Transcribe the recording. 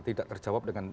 memang tidak terjawab dengan